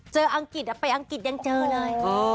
อังกฤษไปอังกฤษยังเจอเลย